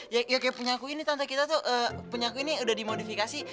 ya kayak penyaku ini tante kita tuh penyaku ini udah dimodifikasi